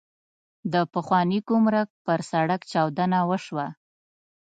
د پخواني ګمرک پر سړک چاودنه وشوه.